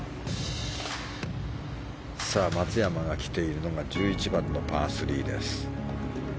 松山が来ているのが１１番のパー３です。